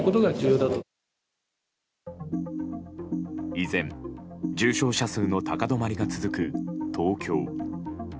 依然、重症者数の高止まりが続く東京。